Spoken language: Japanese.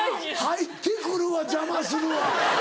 入ってくるわ邪魔するわ。